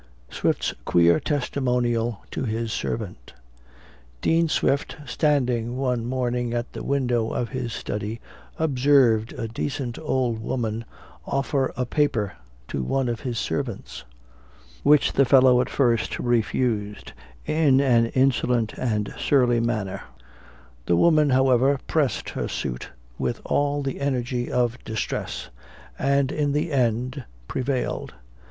SWIFT'S QUEER TESTIMONIAL TO HIS SERVANT. Dean Swift, standing one morning at the window of his study, observed a decent old woman offer a paper to one of his servants, which the fellow at first refused in an insolent and surly manner. The woman however pressed her suit with all the energy of distress, and in the end prevailed.